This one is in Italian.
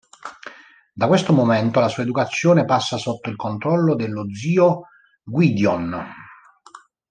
Da questo momento la sua educazione passa sotto il controllo dello zio Gwydion.